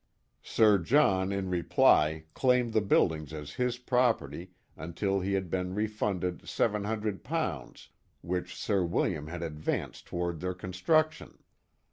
Sir John in reply claimed the buildings as his property until he had been refunded j£, jaa which Sir William had advanced toward their construction.